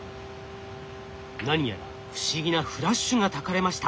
何やら不思議なフラッシュがたかれました。